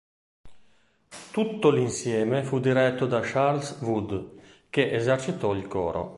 Tutto l'insieme fu diretto da Charles Wood, che esercitò il coro.